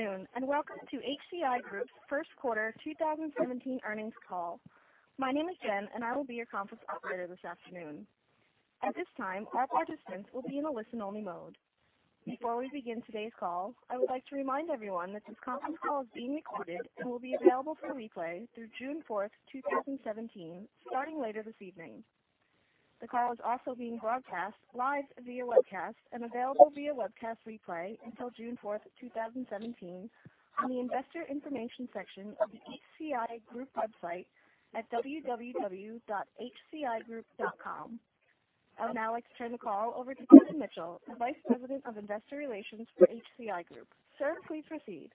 Good afternoon, welcome to HCI Group's first quarter 2017 earnings call. My name is Jen. I will be your conference operator this afternoon. At this time, all participants will be in a listen-only mode. Before we begin today's call, I would like to remind everyone that this conference call is being recorded and will be available for replay through June 4th, 2017, starting later this evening. The call is also being broadcast live via webcast, available via webcast replay until June 4th, 2017, on the investor information section of the HCI Group website at hcigroup.com. I would now like to turn the call over to Kevin Mitchell, the Vice President of Investor Relations for HCI Group. Sir, please proceed.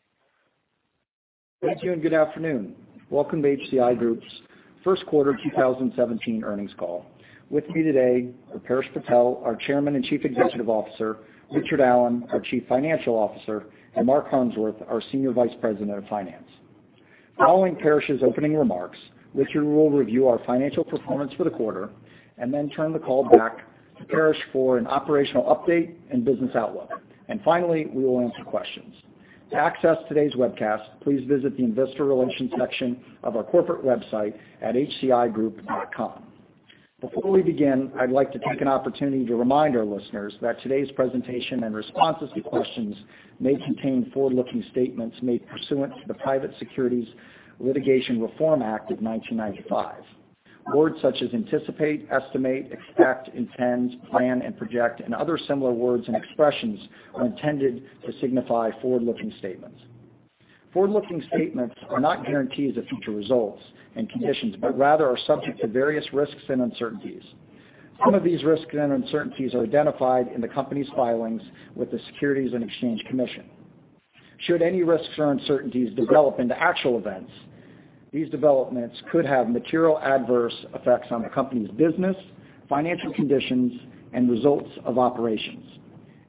Thank you. Good afternoon. Welcome to HCI Group's first quarter 2017 earnings call. With me today are Paresh Patel, our Chairman and Chief Executive Officer, Richard Allen, our Chief Financial Officer, and Mark Harmsworth, our Senior Vice President of Finance. Following Paresh's opening remarks, Richard will review our financial performance for the quarter, turn the call back to Paresh for an operational update and business outlook. Finally, we will answer questions. To access today's webcast, please visit the investor relations section of our corporate website at hcigroup.com. Before we begin, I'd like to take an opportunity to remind our listeners that today's presentation and responses to questions may contain forward-looking statements made pursuant to the Private Securities Litigation Reform Act of 1995. Words such as anticipate, estimate, expect, intend, plan, and project and other similar words and expressions are intended to signify forward-looking statements. Forward-looking statements are not guarantees of future results and conditions, rather are subject to various risks and uncertainties. Some of these risks and uncertainties are identified in the company's filings with the Securities and Exchange Commission. Should any risks or uncertainties develop into actual events, these developments could have material adverse effects on the company's business, financial conditions, and results of operations.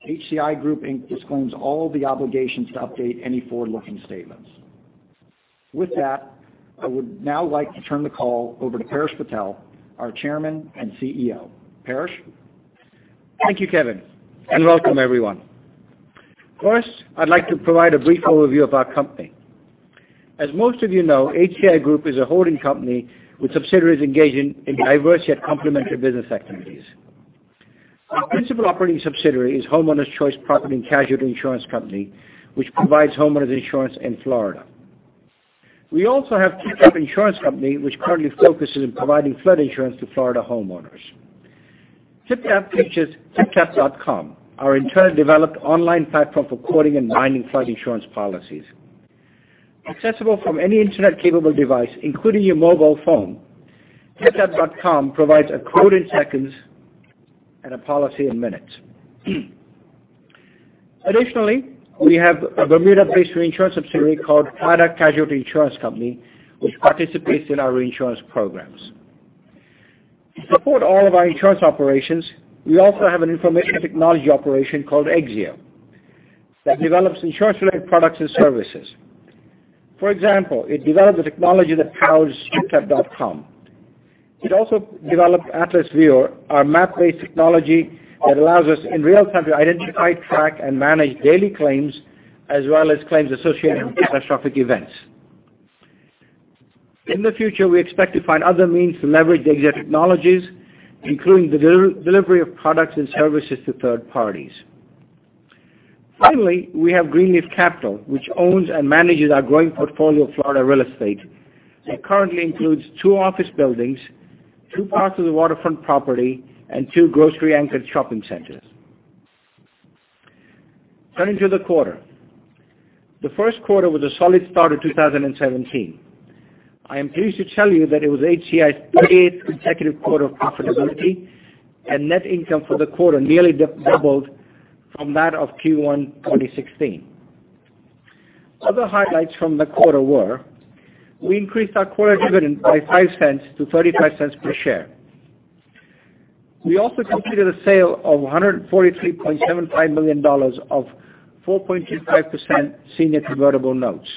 HCI Group, Inc. disclaims all the obligations to update any forward-looking statements. With that, I would now like to turn the call over to Paresh Patel, our Chairman and CEO. Paresh? Thank you, Kevin. Welcome everyone. First, I'd like to provide a brief overview of our company. As most of you know, HCI Group is a holding company with subsidiaries engaging in diverse yet complementary business activities. Our principal operating subsidiary is Homeowners Choice Property & Casualty Insurance Company, Inc., which provides homeowners insurance in Florida. We also have TypTap Insurance Company, which currently focuses on providing flood insurance to Florida homeowners. TypTap features typtap.com, our internet-developed online platform for quoting and buying flood insurance policies. Accessible from any internet-capable device, including your mobile phone, typtap.com provides a quote in seconds and a policy in minutes. Additionally, we have a Bermuda-based reinsurance subsidiary called Claddagh Casualty Insurance Company Ltd, which participates in our reinsurance programs. To support all of our insurance operations, we also have an information technology operation called Exzeo that develops insurance-related products and services. For example, it developed the technology that powers TypTap.com. It also developed Atlas View, our map-based technology that allows us in real time to identify, track, and manage daily claims as well as claims associated with catastrophic events. In the future, we expect to find other means to leverage Exzeo technologies, including the delivery of products and services to third parties. Finally, we have Greenleaf Capital, which owns and manages our growing portfolio of Florida real estate that currently includes two office buildings, two parts of the waterfront property, and two grocery-anchored shopping centers. Turning to the quarter. The first quarter was a solid start to 2017. I am pleased to tell you that it was HCI's 30th consecutive quarter of profitability, and net income for the quarter nearly doubled from that of Q1 2016. Other highlights from the quarter were we increased our quarter dividend by $0.05 to $0.35 per share. We also completed a sale of $143.75 million of 4.25% senior convertible notes.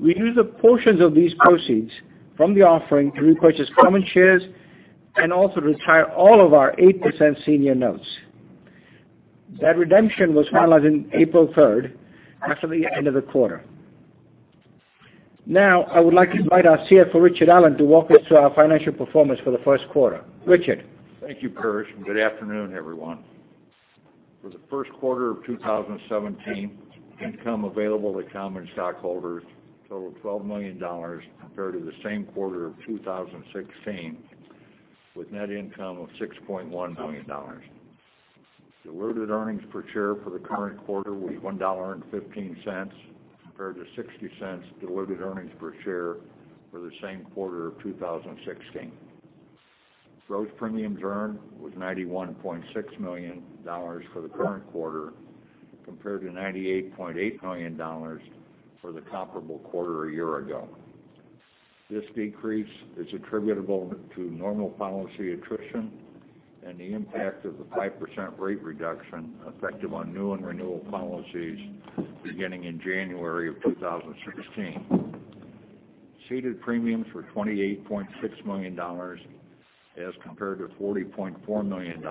We used portions of these proceeds from the offering to repurchase common shares and also to retire all of our 8% senior notes. That redemption was finalized on April 3rd, after the end of the quarter. Now, I would like to invite our CFO, Richard Allen, to walk us through our financial performance for the first quarter. Richard? Thank you, Paresh, and good afternoon, everyone. For the first quarter of 2017, income available to common stockholders totaled $12 million, compared to the same quarter of 2016, with net income of $6.1 million. Diluted earnings per share for the current quarter were $1.15, compared to $0.60 diluted earnings per share for the same quarter of 2016. Gross premiums earned was $91.6 million for the current quarter, compared to $98.8 million for the comparable quarter a year ago. This decrease is attributable to normal policy attrition and the impact of the 5% rate reduction effective on new and renewal policies beginning in January of 2016. Ceded premiums were $28.6 million as compared to $40.4 million.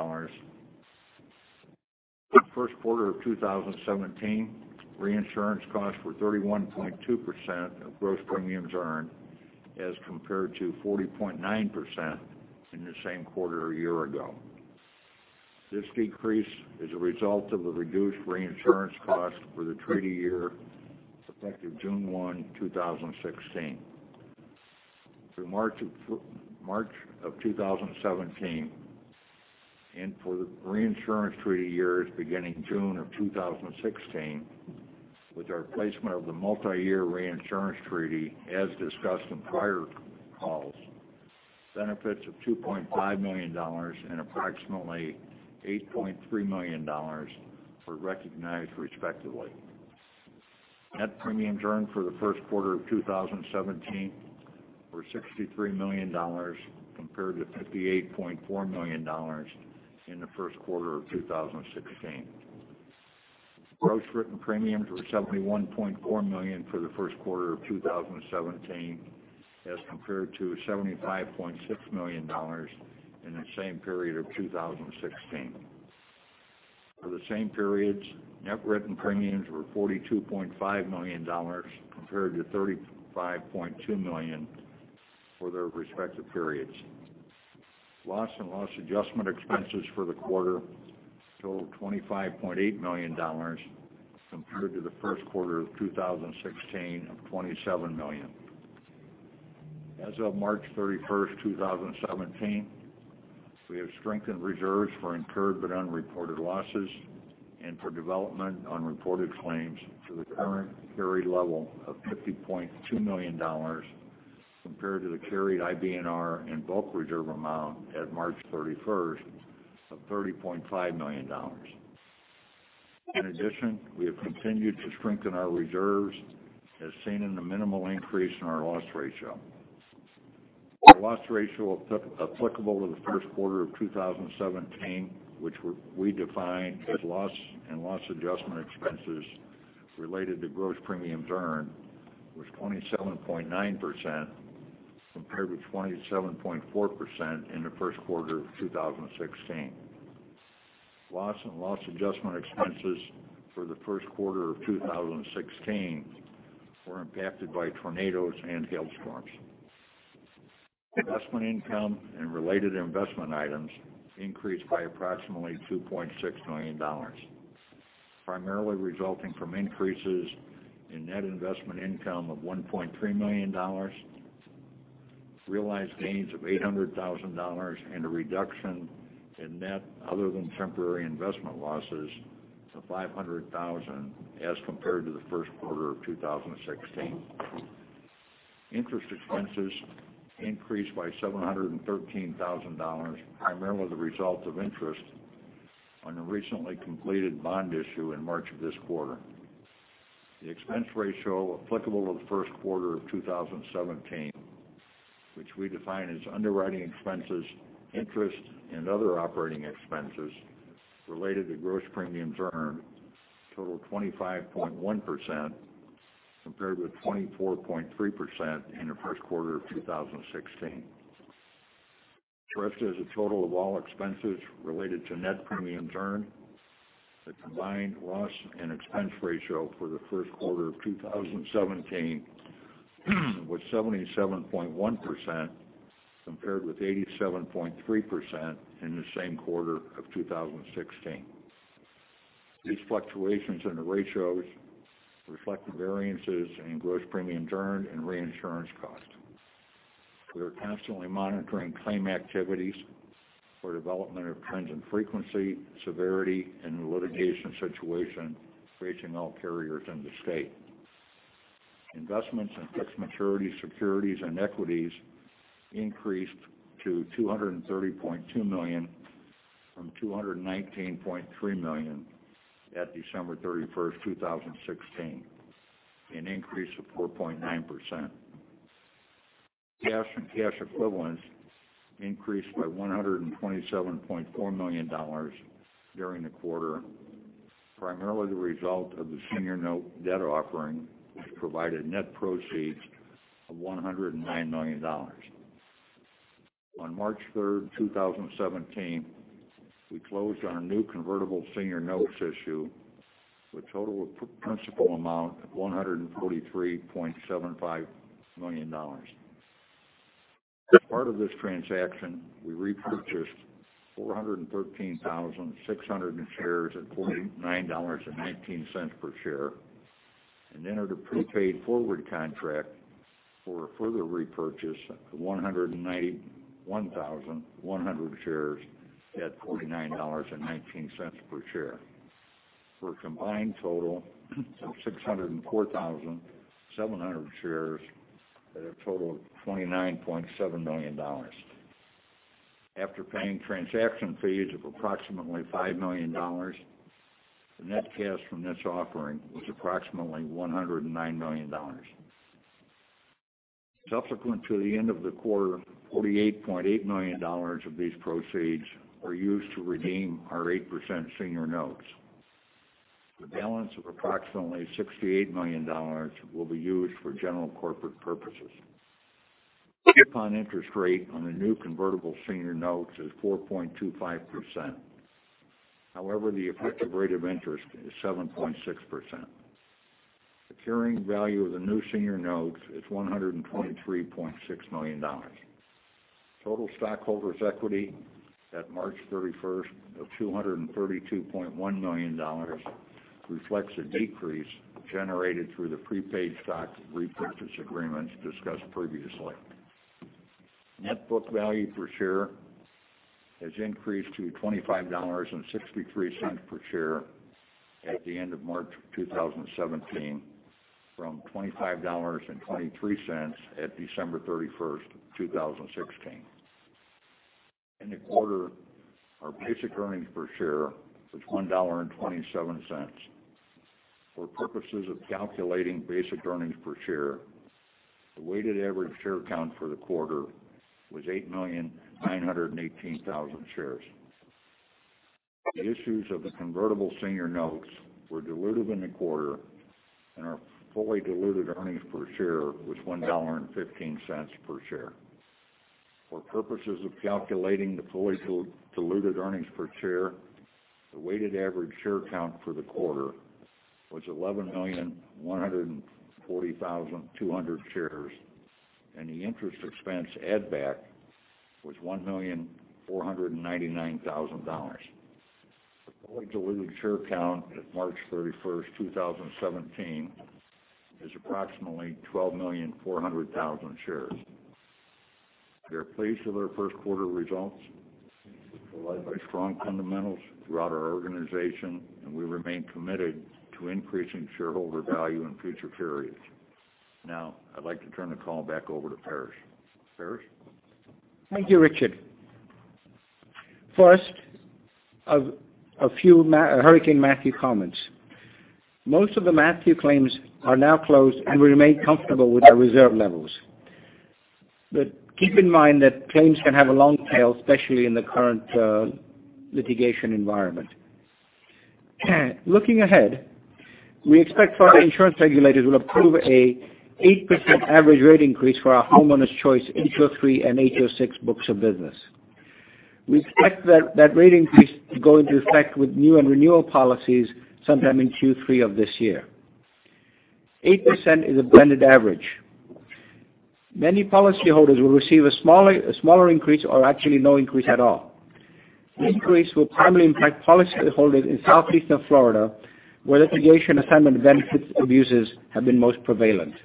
First quarter of 2017, reinsurance costs were 31.2% of gross premiums earned, as compared to 40.9% in the same quarter a year ago. This decrease is a result of a reduced reinsurance cost for the treaty year effective June 1, 2016. Through March of 2017 and for the reinsurance treaty years beginning June of 2016, with our placement of the multiyear reinsurance treaty, as discussed in prior calls, benefits of $2.5 million and approximately $8.3 million were recognized respectively. Net premiums earned for the first quarter of 2017 were $63 million, compared to $58.4 million in the first quarter of 2016. Gross written premiums were $71.4 million for the first quarter of 2017 as compared to $75.6 million in the same period of 2016. For the same periods, net written premiums were $42.5 million, compared to $35.2 million for their respective periods. Loss and loss adjustment expenses for the quarter totaled $25.8 million compared to the first quarter of 2016 of $27 million. As of March 31st, 2017, we have strengthened reserves for incurred but unreported losses and for development on reported claims to the current carried level of $50.2 million, compared to the carried IBNR and bulk reserve amount at March 31st of $30.5 million. In addition, we have continued to strengthen our reserves as seen in the minimal increase in our loss ratio. The loss ratio applicable to the first quarter of 2017, which we define as loss and loss adjustment expenses related to gross premiums earned, was 27.9%, compared with 27.4% in the first quarter of 2016. Loss and loss adjustment expenses for the first quarter of 2016 were impacted by tornadoes and hailstorms. Investment income and related investment items increased by approximately $2.6 million, primarily resulting from increases in net investment income of $1.3 million, realized gains of $800,000, and a reduction in net other than temporary investment losses to $500,000 as compared to the first quarter of 2016. Interest expenses increased by $713,000, primarily the result of interest on a recently completed bond issue in March of this quarter. The expense ratio applicable to the first quarter of 2017, which we define as underwriting expenses, interest, and other operating expenses related to gross premiums earned, totaled 25.1%, compared with 24.3% in the first quarter of 2016. Expressed as a total of all expenses related to net premiums earned, the combined loss and expense ratio for the first quarter of 2017 was 77.1%, compared with 87.3% in the same quarter of 2016. These fluctuations in the ratios reflect the variances in gross premiums earned and reinsurance costs. We are constantly monitoring claim activities for development of trends in frequency, severity, and the litigation situation facing all carriers in the state. Investments in fixed maturity securities and equities increased to $230.2 million from $219.3 million at December 31st, 2016, an increase of 4.9%. Cash and cash equivalents increased by $127.4 million during the quarter, primarily the result of the senior note debt offering, which provided net proceeds of $109 million. On March 3rd, 2017, we closed on a new convertible senior notes issue with a total of principal amount of $143.75 million. As part of this transaction, we repurchased 413,600 shares at $49.19 per share, and entered a prepaid forward contract for a further repurchase of 191,100 shares at $49.19 per share, for a combined total of 604,700 shares at a total of $29.7 million. After paying transaction fees of approximately $5 million, the net cash from this offering was approximately $109 million. Subsequent to the end of the quarter, $48.8 million of these proceeds were used to redeem our 8% senior notes. The balance of approximately $68 million will be used for general corporate purposes. The coupon interest rate on the new convertible senior notes is 4.25%. However, the effective rate of interest is 7.6%. The carrying value of the new senior notes is $123.6 million. Total stockholders' equity at March 31st of $232.1 million reflects a decrease generated through the prepaid stock repurchase agreements discussed previously. Net book value per share has increased to $25.63 per share at the end of March 2017 from $25.23 at December 31st, 2016. In the quarter, our basic earnings per share was $1.27. For purposes of calculating basic earnings per share, the weighted average share count for the quarter was 8,918,000 shares. The issues of the convertible senior notes were dilutive in the quarter, and our fully diluted earnings per share was $1.15 per share. For purposes of calculating the fully diluted earnings per share, the weighted average share count for the quarter was 11,140,200 shares, and the interest expense addback was $1,499,000. The fully diluted share count at March 31st, 2017 is approximately 12,400,000 shares. We are pleased with our first quarter results, relied by strong fundamentals throughout our organization, and we remain committed to increasing shareholder value in future periods. Now, I'd like to turn the call back over to Paresh. Paresh? Thank you, Richard. First, a few Hurricane Matthew comments. Most of the Matthew claims are now closed, and we remain comfortable with our reserve levels. Keep in mind that claims can have a long tail, especially in the current litigation environment. Looking ahead, we expect Florida insurance regulators will approve an 8% average rate increase for our Homeowners Choice H03 and H06 books of business. We expect that rate increase to go into effect with new and renewal policies sometime in Q3 of this year. 8% is a blended average. Many policyholders will receive a smaller increase or actually no increase at all. This increase will primarily impact policyholders in Southeastern Florida, where litigation assignment benefits abuses have been most prevalent.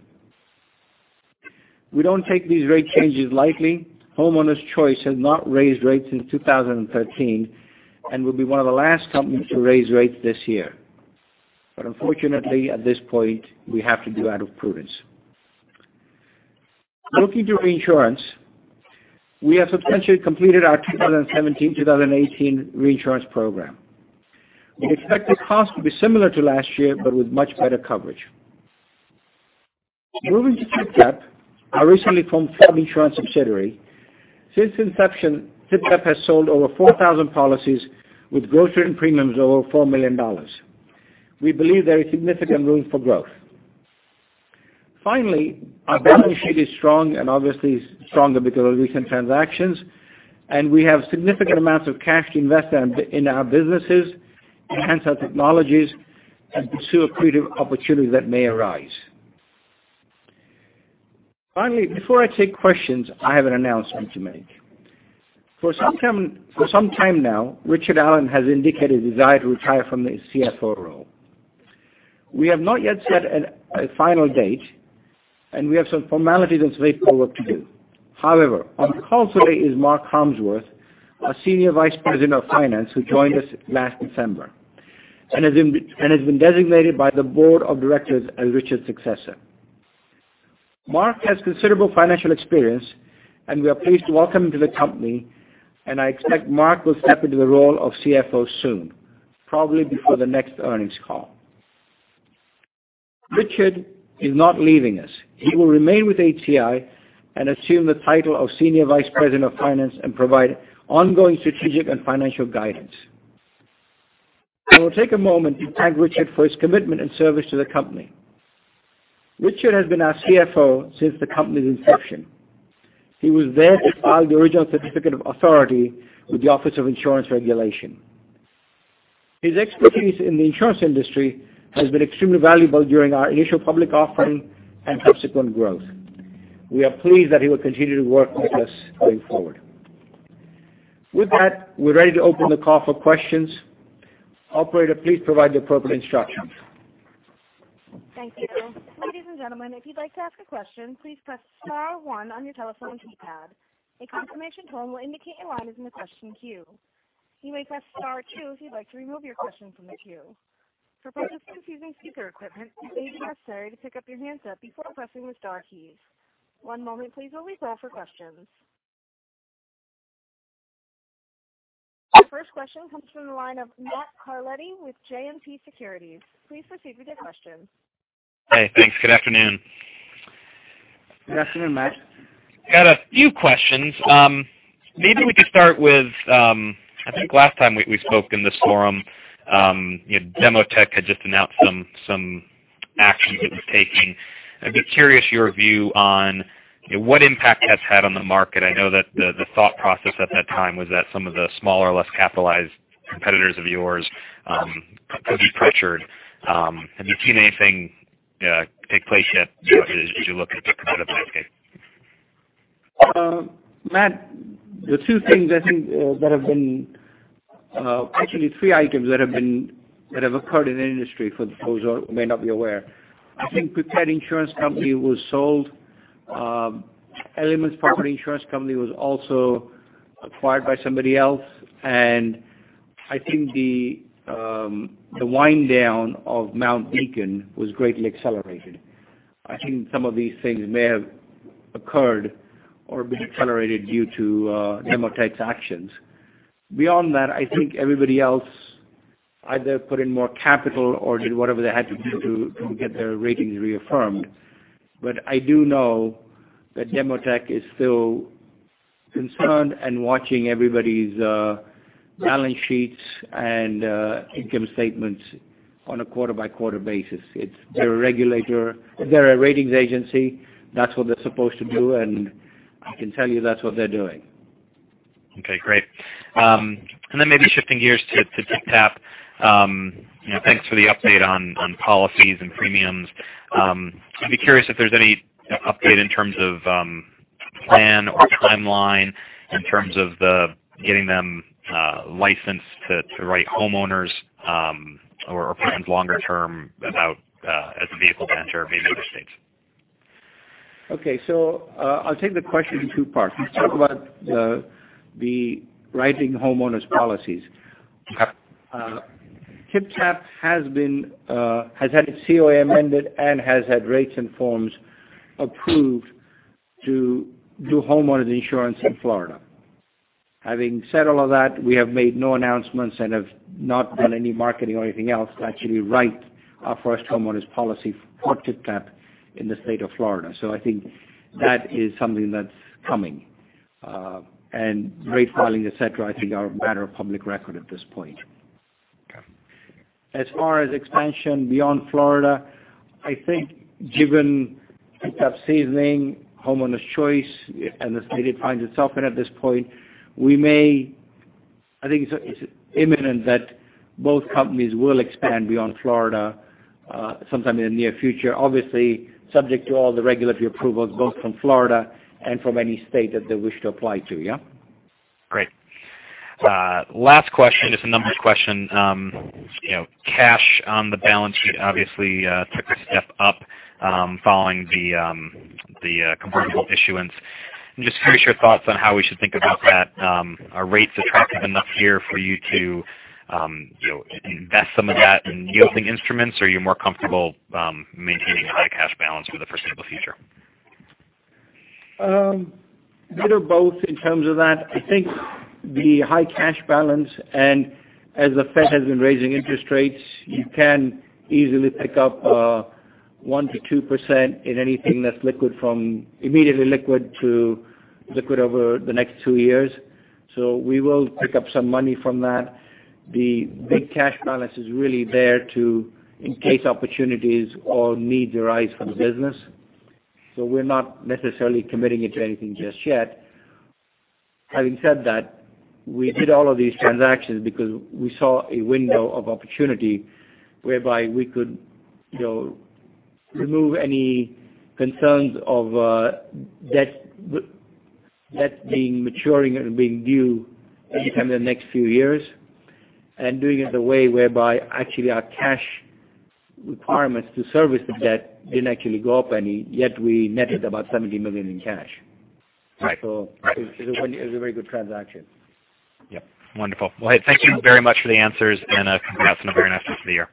We don't take these rate changes lightly. Homeowners Choice has not raised rates since 2013 and will be one of the last companies to raise rates this year. Unfortunately, at this point, we have to do out of prudence. Looking to reinsurance, we have substantially completed our 2017-2018 reinsurance program. We expect the cost to be similar to last year, but with much better coverage. Moving to TypTap, our recently formed flood insurance subsidiary. Since inception, TypTap has sold over 4,000 policies with gross written premiums of over $4 million. We believe there is significant room for growth. Finally, our balance sheet is strong and obviously stronger because of recent transactions, and we have significant amounts of cash to invest in our businesses, enhance our technologies, and pursue accretive opportunities that may arise. Finally, before I take questions, I have an announcement to make. For some time now, Richard Allen has indicated his desire to retire from the CFO role. We have not yet set a final date, and we have some formalities and paperwork to do. However, on the call today is Mark Harmsworth, our Senior Vice President of Finance, who joined us last December and has been designated by the board of directors as Richard's successor. Mark has considerable financial experience. We are pleased to welcome him to the company. I expect Mark will step into the role of CFO soon, probably before the next earnings call. Richard is not leaving us. He will remain with HCI and assume the title of Senior Vice President of Finance and provide ongoing strategic and financial guidance. I will take a moment to thank Richard for his commitment and service to the company. Richard has been our CFO since the company's inception. He was there to file the original Certificate of Authority with the Office of Insurance Regulation. His expertise in the insurance industry has been extremely valuable during our initial public offering and subsequent growth. We are pleased that he will continue to work with us going forward. With that, we're ready to open the call for questions. Operator, please provide the appropriate instructions. Thank you. Ladies and gentlemen, if you'd like to ask a question, please press star one on your telephone keypad. A confirmation tone will indicate your line is in the question queue. You may press star two if you'd like to remove your question from the queue. For participants using speaker equipment, it may be necessary to pick up your handset before pressing the star keys. One moment please while we call for questions. The first question comes from the line of Matthew Carletti with JMP Securities. Please proceed with your question. Hey, thanks. Good afternoon. Good afternoon, Matt. Got a few questions. Maybe we could start with, I think last time we spoke in this forum, Demotech had just announced some actions it was taking. I'd be curious your view on what impact that's had on the market. I know that the thought process at that time was that some of the smaller, less capitalized competitors of yours could be pressured. Have you seen anything take place yet as you look at the competitive landscape? Matt, the actually three items that have occurred in the industry for those who may not be aware. I think Pepcid Insurance Company was sold. Elements Property Insurance Company was also acquired by somebody else. I think the wind-down of Mount Beacon was greatly accelerated. I think some of these things may have occurred or been accelerated due to Demotech's actions. Beyond that, I think everybody else either put in more capital or did whatever they had to do to get their ratings reaffirmed. I do know that Demotech is still concerned and watching everybody's balance sheets and income statements on a quarter-by-quarter basis. They're a regulator. They're a ratings agency. That's what they're supposed to do, and I can tell you that's what they're doing. Okay, great. Then maybe shifting gears to TypTap. Thanks for the update on policies and premiums. I'd be curious if there's any update in terms of plan or timeline in terms of getting them licensed to write homeowners or plans longer term about as a vehicle to enter maybe other states. Okay. I'll take the question in two parts. Let's talk about the writing homeowners policies. Okay. TypTap has had its COA amended and has had rates and forms approved to do homeowners insurance in Florida. Having said all of that, we have made no announcements and have not done any marketing or anything else to actually write our first homeowners policy for TypTap in the state of Florida. I think that is something that's coming. Rate filings, et cetera, I think, are a matter of public record at this point. Okay. As far as expansion beyond Florida, I think given TypTap seasoning, Homeowners Choice, and the state it finds itself in at this point, I think it's imminent that both companies will expand beyond Florida sometime in the near future. Obviously, subject to all the regulatory approvals, both from Florida and from any state that they wish to apply to, yeah? Great. Last question is a numbers question. Cash on the balance sheet obviously took a step up following the convertible issuance. I'm just curious your thoughts on how we should think about that. Are rates attractive enough here for you to invest some of that in yielding instruments? Are you more comfortable maintaining a high cash balance for the foreseeable future? Neither or both in terms of that. I think the high cash balance and as the Fed has been raising interest rates, you can easily pick up 1% to 2% in anything that's immediately liquid to liquid over the next two years. We will pick up some money from that. The big cash balance is really there to in case opportunities or needs arise for the business. We're not necessarily committing it to anything just yet. Having said that, we did all of these transactions because we saw a window of opportunity whereby we could remove any concerns of debt being maturing and being due anytime in the next few years, and doing it in a way whereby actually our cash requirements to service the debt didn't actually go up any, yet we netted about $70 million in cash. Right. It was a very good transaction. Yep. Wonderful. Hey, thank you very much for the answers and good afternoon. Very nice to see you.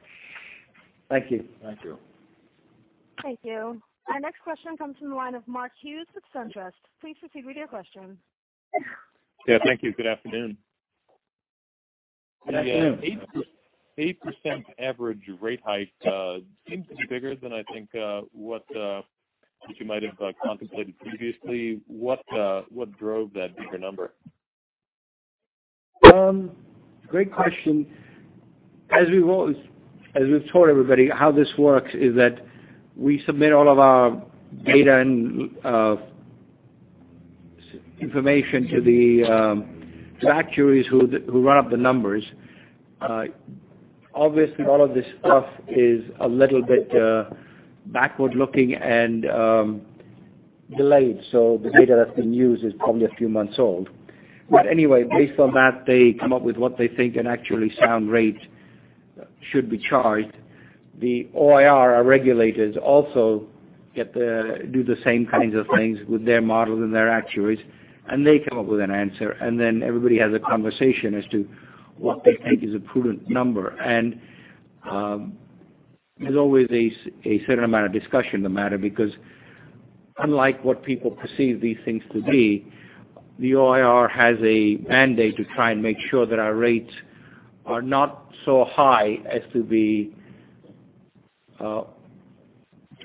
Thank you. Thank you. Our next question comes from the line of Mark Hughes with SunTrust. Please proceed with your question. Yeah, thank you. Good afternoon. Good afternoon. 8% average rate hike seems to be bigger than I think what you might have contemplated previously. What drove that bigger number? Great question. As we've told everybody, how this works is that we submit all of our data and information to the actuaries who run up the numbers. Obviously, all of this stuff is a little bit backward-looking and delayed, so the data that's being used is probably a few months old. Anyway, based on that, they come up with what they think an actually sound rate should be charged. The OIR, our regulators, also do the same kinds of things with their models and their actuaries, and they come up with an answer, and then everybody has a conversation as to what they think is a prudent number. There's always a certain amount of discussion in the matter because unlike what people perceive these things to be, the OIR has a mandate to try and make sure that our rates are not so high as to be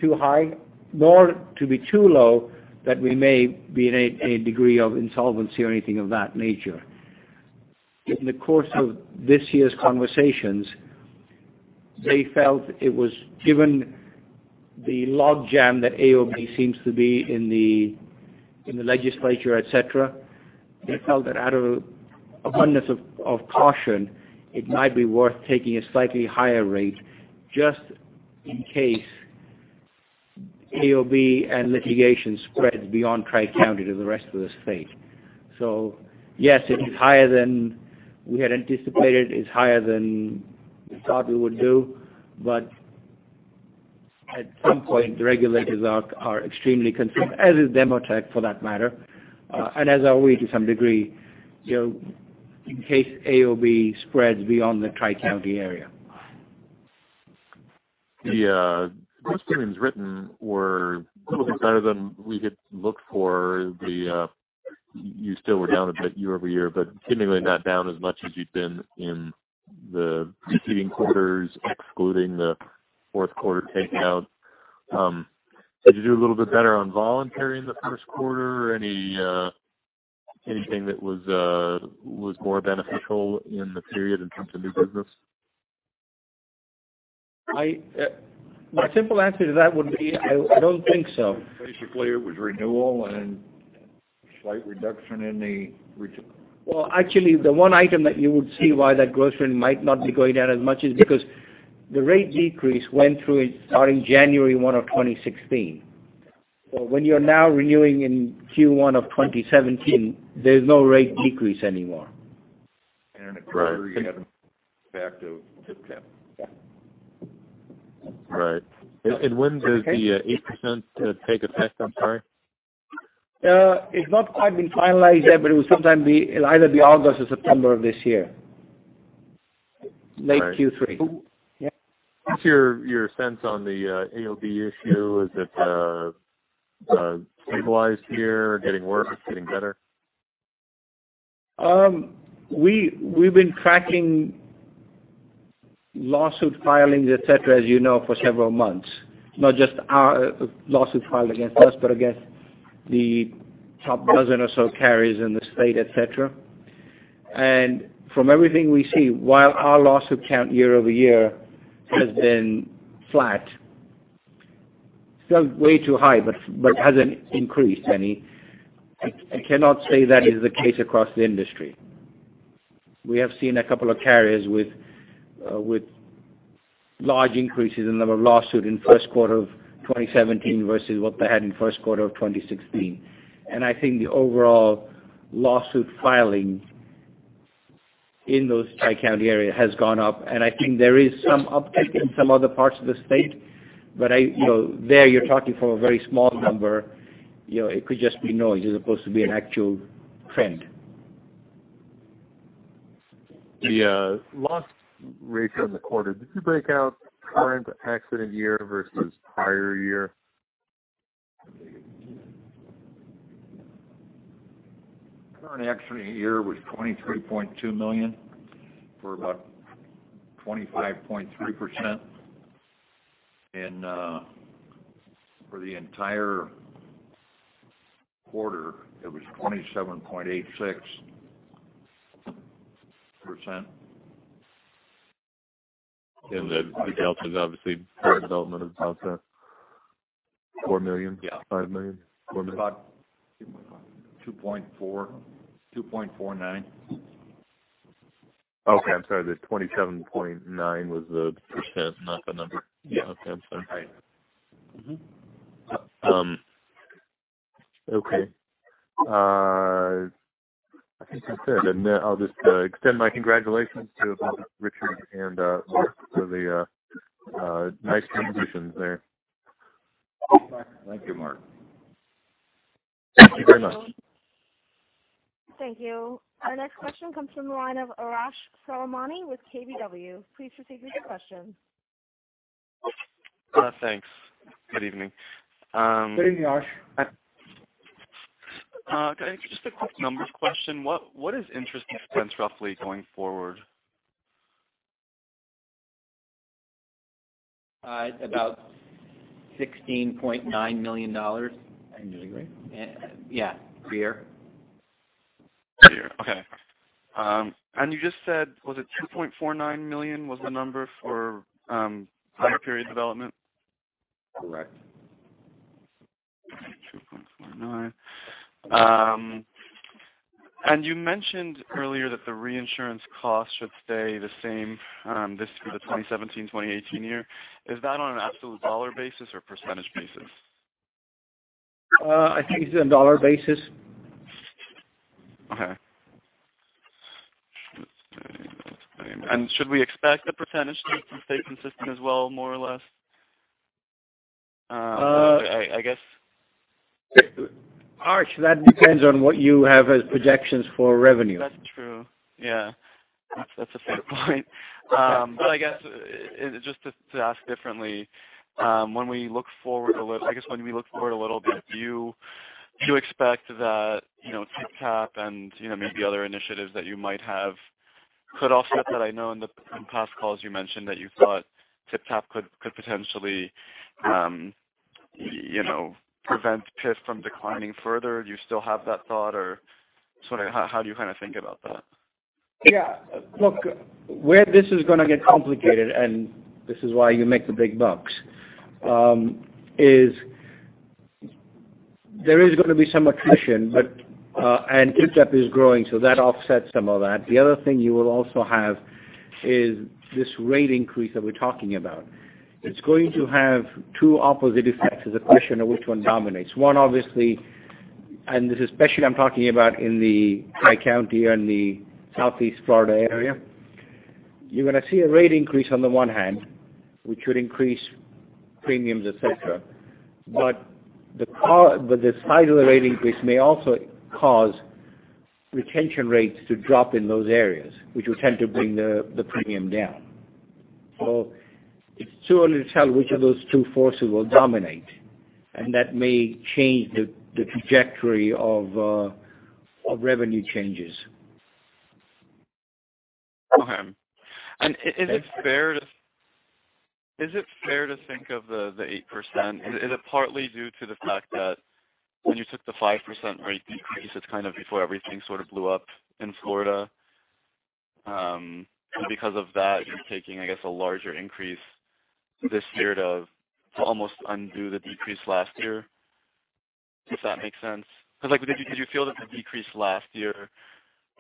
too high, more to be too low, that we may be in a degree of insolvency or anything of that nature. In the course of this year's conversations, they felt it was given the log jam that AOB seems to be in the legislature, et cetera, they felt that out of abundance of caution, it might be worth taking a slightly higher rate just in case AOB and litigation spreads beyond Tri-County to the rest of the state. Yes, it is higher than we had anticipated. It's higher than we thought we would do, at some point, the regulators are extremely concerned, as is Demotech for that matter, and as are we to some degree, in case AOB spreads beyond the Tri-County area. The gross premiums written were a little bit better than we had looked for. You still were down a bit year-over-year, seemingly not down as much as you'd been in the preceding quarters, excluding the fourth quarter takeout. Did you do a little bit better on voluntary in the first quarter? Anything that was more beneficial in the period in terms of new business? My simple answer to that would be, I don't think so. Basically, it was renewal and slight reduction in the retail. Well, actually, the one item that you would see why that gross written might not be going down as much is because the rate decrease went through starting January 1 of 2016. When you're now renewing in Q1 of 2017, there's no rate decrease anymore. In a quarter, you haven't back to TypTap. Yeah. Right. When does the 8% take effect? I'm sorry. It's not quite been finalized yet, it'll either be August or September of this year. Late Q3. All right. Yeah. What's your sense on the AOB issue? Is it stabilized here, getting worse, getting better? We've been tracking lawsuit filings, et cetera, as you know, for several months. Not just our lawsuit filed against us, but against the top dozen or so carriers in the state, et cetera. From everything we see, while our lawsuit count year-over-year has been flat, still way too high, but hasn't increased any. I cannot say that is the case across the industry. We have seen a couple of carriers with large increases in the number of lawsuits in first quarter of 2017 versus what they had in first quarter of 2016. I think the overall lawsuit filing in those Tri-County area has gone up. I think there is some uptick in some other parts of the state. There, you're talking for a very small number. It could just be noise as opposed to be an actual trend. The loss ratio in the quarter, did you break out current accident year versus prior year? Current accident year was $23.2 million for about 25.3%. For the entire quarter, it was 27.86%. The delta is obviously current development of about $4 million? Yeah. $5 million? $4 million. About $2.49. Okay. I'm sorry. The 27.9% was the percent, not the number. Yeah. Okay. I'm sorry. Right. Mm-hmm. Okay. I think that's it. I'll just extend my congratulations to both Richard and Mark for the nice competitions there. Thank you, Mark. Thank you very much. Thank you. Our next question comes from the line of Arash Soleimani with KBW. Please proceed with your question. Thanks. Good evening. Good evening, Arash. Just a quick numbers question. What is interest expense roughly going forward? About $16.9 million. I'm doing great. Yeah, per year. Per year. Okay. You just said, was it $2.49 million was the number for current period development? Correct. You mentioned earlier that the reinsurance cost should stay the same this through the 2017-2018 year. Is that on an absolute dollar basis or percentage basis? I think it's a dollar basis. Okay. Should we expect the percentage to stay consistent as well, more or less? I guess. Arash, that depends on what you have as projections for revenue. That's true. Yeah. That's a fair point. I guess, just to ask differently, I guess when we look forward a little bit, do you expect that TypTap and maybe other initiatives that you might have could offset that? I know in past calls you mentioned that you thought TypTap could potentially prevent PIF from declining further. Do you still have that thought, or how do you think about that? Yeah. Look, where this is going to get complicated, and this is why you make the big bucks, is there is going to be some attrition. TypTap is growing, that offsets some of that. The other thing you will also have is this rate increase that we're talking about. It's going to have two opposite effects. It's a question of which one dominates. One, obviously, and this especially I'm talking about in the Tri-County and the Southeast Florida area, you're going to see a rate increase on the one hand, which would increase premiums, et cetera. The size of the rate increase may also cause retention rates to drop in those areas, which would tend to bring the premium down. It's too early to tell which of those two forces will dominate, and that may change the trajectory of revenue changes. Okay. Is it fair to think of the 8%? Is it partly due to the fact that when you took the 5% rate decrease, it's before everything sort of blew up in Florida, and because of that, you're taking, I guess, a larger increase this year to almost undo the decrease last year? Does that make sense? Because did you feel that the decrease last year,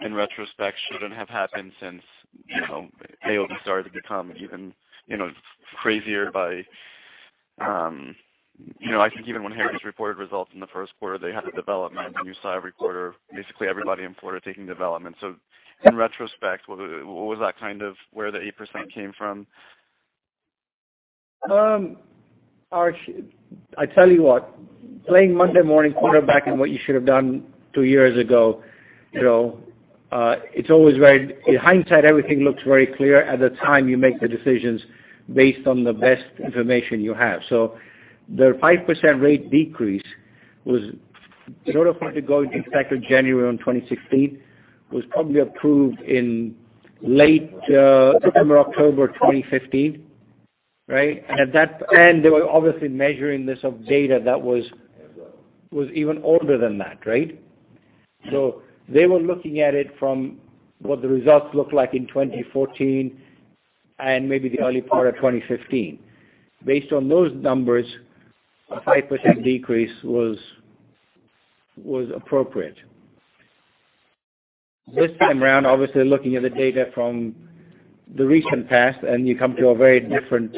in retrospect, shouldn't have happened since AOB started to become even crazier by, I think even when Heritage reported results in the first quarter, they had a development, and you saw every quarter, basically everybody in Florida taking development. In retrospect, was that where the 8% came from? Arash, I tell you what, playing Monday morning quarterback and what you should have done two years ago, in hindsight, everything looks very clear. At the time, you make the decisions based on the best information you have. The 5% rate decrease was in order for it to go into effect of January on 2016, was probably approved in late September, October 2015, right? They were obviously measuring this off data that was even older than that, right? They were looking at it from what the results looked like in 2014 and maybe the early part of 2015. Based on those numbers, a 5% decrease was appropriate. This time around, obviously, looking at the data from the recent past, and you come to a very different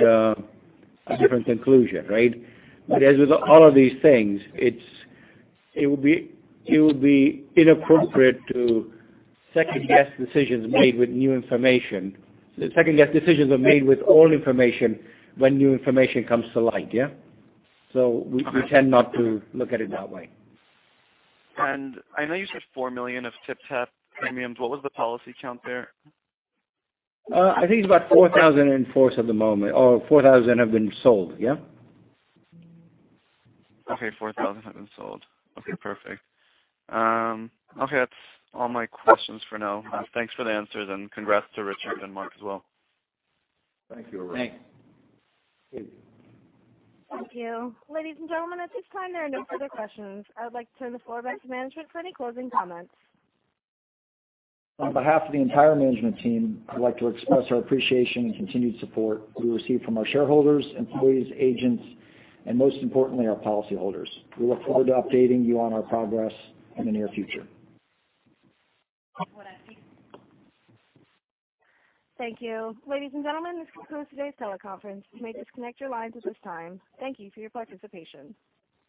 conclusion, right? As with all of these things, it would be inappropriate to second-guess decisions made with new information. Second-guess decisions are made with all information when new information comes to light, yeah? We tend not to look at it that way. I know you said $4 million of TypTap premiums. What was the policy count there? I think it's about 4,000 in force at the moment, or 4,000 have been sold. Yeah. Okay. 4,000 have been sold. Okay, perfect. Okay. That's all my questions for now. Thanks for the answers, and congrats to Richard and Mark as well. Thank you, Arash. Thanks. Thank you. Ladies and gentlemen, at this time, there are no further questions. I would like to turn the floor back to management for any closing comments. On behalf of the entire management team, I'd like to express our appreciation and continued support we receive from our shareholders, employees, agents, and most importantly, our policyholders. We look forward to updating you on our progress in the near future. Thank you. Ladies and gentlemen, this concludes today's teleconference. You may disconnect your lines at this time. Thank you for your participation.